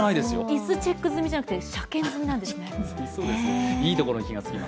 椅子チェック済じゃなくて車検済みなんですね。